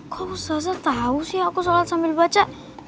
kok ustadz tau sih aku sholat sambil baca